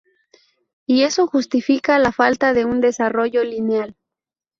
Y esto justifica la falta de un desarrollo lineal.